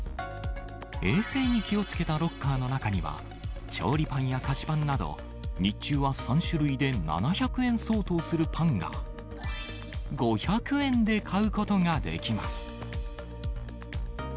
衛生に気をつけたロッカーの中には、調理パンや菓子パンなど、日中は３種類で７００円相当するパンが、５００円で買うことができます。